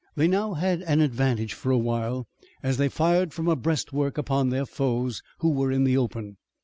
They now had an advantage for a while, as they fired from a breastwork upon their foes, who were in the open.